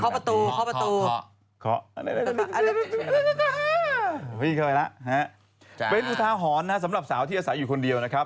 เพื่อนมุท้าหอญสำหรับสาวธี่อาศัยอยู่คนเดียวนะครับ